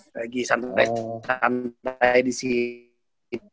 lagi santai santai disini